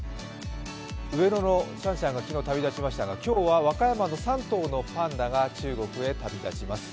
上野のシャンシャンが昨日旅立ちましたが、今日は和歌山の３頭のパンダが中国へ旅立ちます。